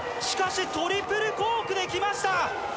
しかしトリプルコークで、きました。